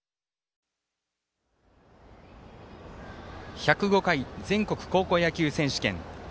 １０５回全国高校野球選手権。